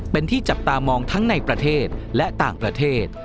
เป็นที่จับตามองทั้งในประเทศและต่างประเทศ